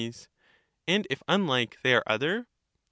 And if unlike, they are other